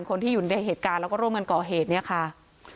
คนที่อยู่ในเหตุการณ์แล้วก็ร่วมกันก่อเหตุเนี่ยค่ะ